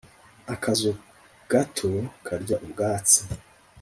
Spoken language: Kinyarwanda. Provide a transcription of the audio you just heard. Akazu gato karya ubwatsi.